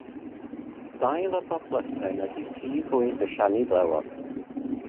Dail y boplysen ydy prif fwyd y siani flewog.